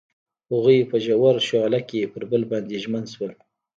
هغوی په ژور شعله کې پر بل باندې ژمن شول.